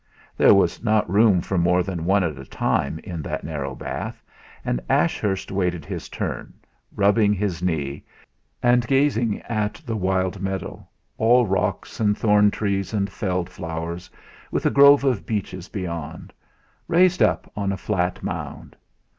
There was not room for more than one at a time in that narrow bath, and Ashurst waited his turn, rubbing his knee and gazing at the wild meadow, all rocks and thorn trees and feld flowers, with a grove of beeches beyond, raised up on a flat mound.